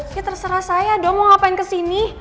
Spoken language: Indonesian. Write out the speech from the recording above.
ini terserah saya dong mau ngapain kesini